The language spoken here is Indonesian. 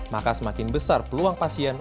maka semakin besar peluang pasien